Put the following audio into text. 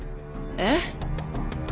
えっ？